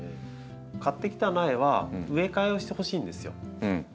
買ってきた苗は植え替えをしてほしいんですよ。